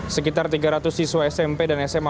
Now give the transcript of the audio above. sekitar tiga ratus siswa smp dan sma